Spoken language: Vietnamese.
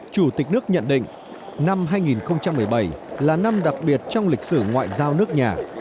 chủ tịch nước nhận định năm hai nghìn một mươi bảy là năm đặc biệt trong lịch sử ngoại giao nước nhà